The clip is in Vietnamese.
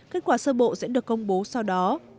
kết quả sơ bộ sẽ được công bố sau đó